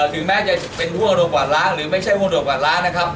ถึงแม้จะเป็นห่วงกว่าล้านหรือไม่ใช่โมโหกว่าล้านนะครับ